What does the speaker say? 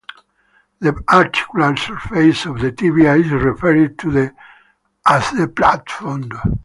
The articular surface of the tibia is referred to as the plafond.